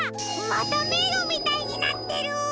まためいろみたいになってる！